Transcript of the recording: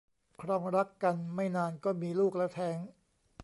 ครองรักกันไม่นานก็มีลูกแล้วแท้ง